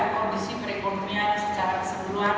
kondisi perekonomian secara keseluruhan